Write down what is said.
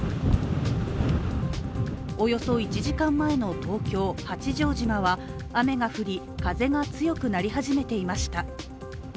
およそ１時間前の東京・八丈島は雨が降り、風が強くなり始めていました。